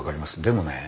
でもね。